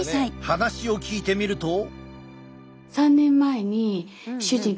話を聞いてみると。